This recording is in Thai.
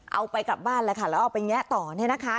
เอาไปกลับบ้านแล้วค่ะแล้วเอาไปแงะต่อนะคะ